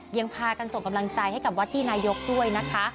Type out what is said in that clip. ยังพากันส่งกำลังใจให้กับวัดที่นายกด้วยนะคะ